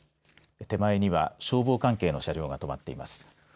手前には消防関係の車両が止まっています。